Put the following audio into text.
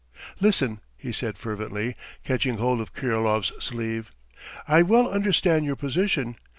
"Listen," he said fervently, catching hold of Kirilov's sleeve. "I well understand your position!